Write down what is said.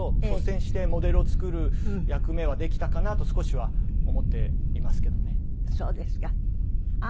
率先してモデルを作る役目はできたかなと少しは思っていますけどね。